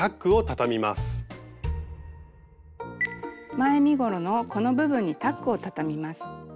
前身ごろのこの部分にタックをたたみます。